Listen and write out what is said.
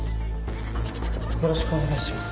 よろしくお願いします。